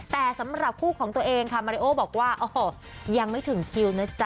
แต่สำหรับคู่ของตัวเองค่ะมาริโอบอกว่าโอ้โหยังไม่ถึงคิวนะจ๊